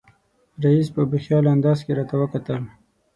رییس په بې خیاله انداز کې راته وکتل.